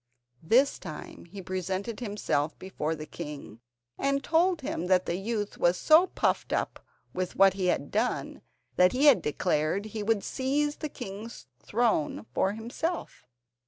This time he presented himself before the king and told him that the youth was so puffed up with what he had done that he had declared he would seize the king's throne for himself.